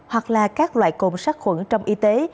hoặc là các loại cồn sát khuẩn trong y tế